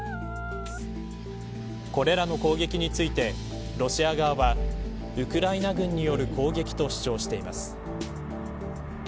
これらの攻撃についてロシア側はウクライナ軍による攻撃と主張しています。